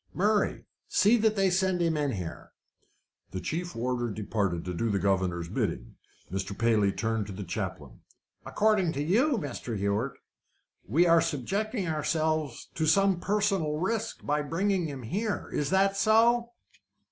Murray, see that they send him here." The chief warder departed to do the governor's bidding. Mr. Paley turned to the chaplain. "According to you, Mr. Hewett, we are subjecting ourselves to some personal risk by bringing him here. Is that so?"